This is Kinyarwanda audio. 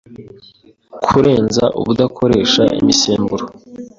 kurenza ubudakoresha imisemburo